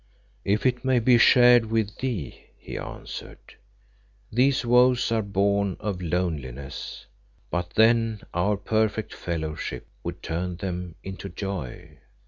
"If it may be shared with thee," he answered. "These woes are born of loneliness, but then our perfect fellowship would turn them into joy."